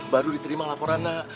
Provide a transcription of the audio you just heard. baru diterima laporan